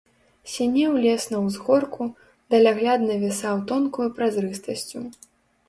Сінеў лес на ўзгорку, далягляд навісаў тонкаю празрыстасцю.